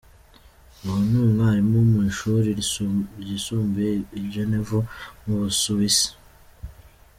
Ubu ni umwarimu mu ishuri ryisumbuye i Genève mu Busuwisi.